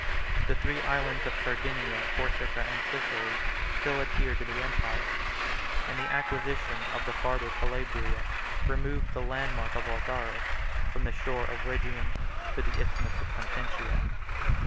The three islands of Sardinia, Corsica, and Sicily, still adhered to the empire; and the acquisition of the farther Calabria removed the landmark of Autharis from the shore of Rhegium to the Isthmus of Consentia.